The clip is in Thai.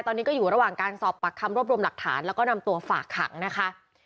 ตอนนี้ก็อยู่ระหว่างการสอบปากคำรวบรวมหลักฐานแล้วก็นำตัวฝากขังนะคะ